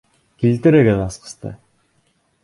Килтерегеҙ асҡысты!